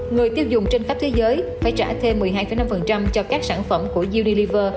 người tiêu dùng trên khắp thế giới phải trả thêm một mươi hai năm cho các sản phẩm của udiliver